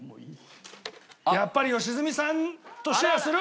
やっぱり良純さんとシェアする！